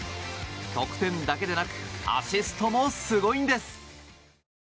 得点だけでなくアシストもすごいんです。